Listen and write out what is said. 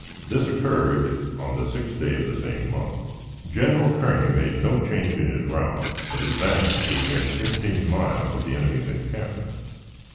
This occurred on the sixth day of the same month. General Kearney made no change in his route, but advanced to within fifteen miles of the enemy's encampment.